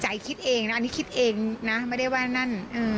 คิดเองนะอันนี้คิดเองนะไม่ได้ว่านั่น